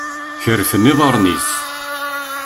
Kerfen iḍaṛen-is.